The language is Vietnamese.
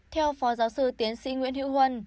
theo phó giáo sư tiến sĩ nguyễn hữu huân